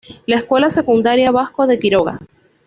La escuela secundaria Vasco de Quiroga.